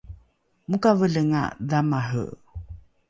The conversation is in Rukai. mokavolenga dhamare